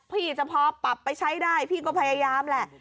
พี่จะพอปรับไปใช้ได้พี่ก็พยายามแหละ